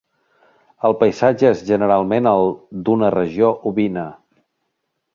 El paisatge és generalment el d"una regió ovina.